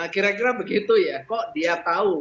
kira kira begitu ya